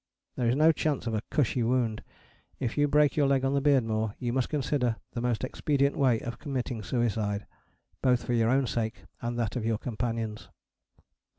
There is no chance of a 'cushy' wound: if you break your leg on the Beardmore you must consider the most expedient way of committing suicide, both for your own sake and that of your companions.